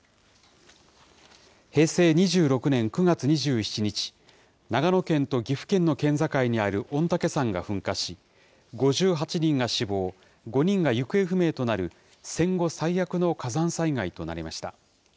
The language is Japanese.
平成２６年９月２７日、長野県と岐阜県の県境にある御嶽山が噴火し、５８人が死亡、５人が行方不明となる戦後最悪の火山災害となりました。